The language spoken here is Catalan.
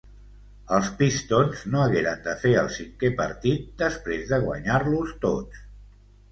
Els Pistons no hagueren de fer el cinquè partit, després de guanyar-los tots.